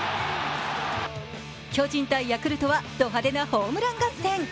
巨人×ヤクルトはド派手なホームラン合戦。